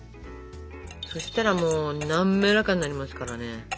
そしたらもうなめらかになりますからね。